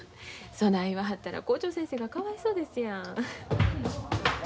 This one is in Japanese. そない言わはったら校長先生がかわいそうですやん。